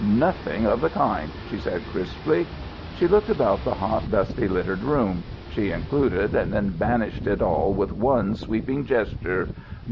"Nothing of the kind," she said crisply. She looked about the hot, dusty, littered room. She included and then banished it all with one sweeping gesture.